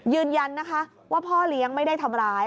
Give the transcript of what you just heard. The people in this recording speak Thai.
ยืนยันนะคะว่าพ่อเลี้ยงไม่ได้ทำร้าย